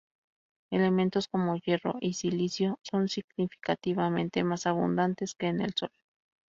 Elementos como hierro y silicio son significativamente más abundantes que en el Sol.